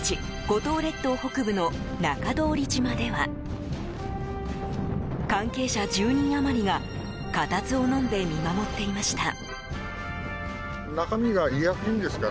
五島列島北部の中通島では関係者１０人余りが固唾をのんで見守っていました。